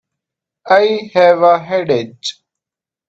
I have a headache.